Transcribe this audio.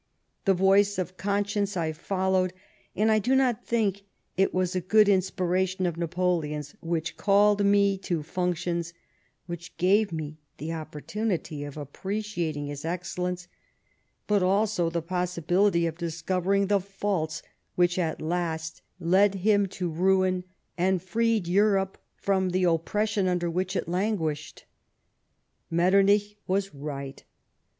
The voice of conscience I followed ; and I do not think it was a good inspiration of Napoleon's which called me to functions which gave me the oppor tunity of appreciating his excellence, but also the possi bility of discovering the faults which at last led him to THE EMBASSY TO PABIS. 19 ruin, and freed Europe from the oppression under which it languished." Metternich was right.